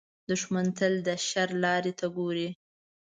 دښمن تل د شر لارې ته ګوري